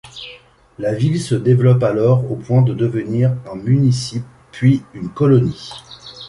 La ville se développe alors au point de devenir un municipe puis une colonie.